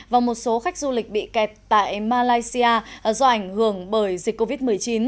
và một số khách du lịch bị kẹt tại malaysia do ảnh hưởng bởi dịch covid một mươi chín